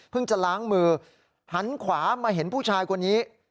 จะล้างมือหันขวามาเห็นผู้ชายคนนี้